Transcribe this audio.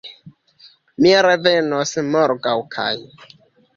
Mi revenos morgaŭ kaj